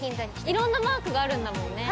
いろんなマークがあるんだもんね。